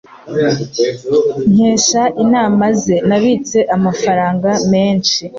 Nkesha inama ze, nabitse amafaranga menshi.